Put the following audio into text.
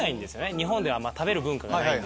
日本では食べる文化がないんです。